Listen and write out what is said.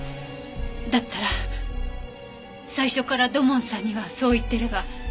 だったら最初から土門さんにはそう言ってれば。